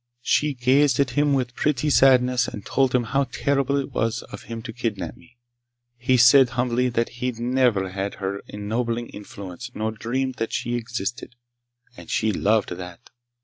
She gazed at him with pretty sadness and told him how terrible it was of him to kidnap me. He said humbly that he'd never had her ennobling influence nor dreamed that she existed. And she loved that!